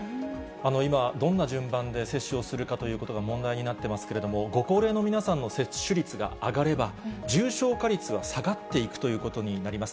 今、どんな順番で接種をするかということが問題になっていますけれども、ご高齢の皆さんの接種率が上がれば、重症化率は下がっていくということになります。